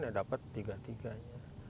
ya dapat tiga tiganya